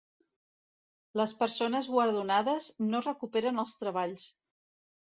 Les persones guardonades no recuperen els treballs.